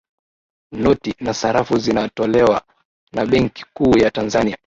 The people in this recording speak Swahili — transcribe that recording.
noti na sarafu zinatolewa na benki kuu ya tanzania